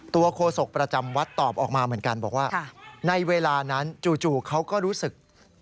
โฆษกประจำวัดตอบออกมาเหมือนกันบอกว่าในเวลานั้นจู่เขาก็รู้สึก